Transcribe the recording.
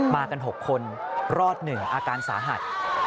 มากัน๖คนรอด๑อาการสาหัส